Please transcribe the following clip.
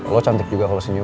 lo cantik juga kalau senyum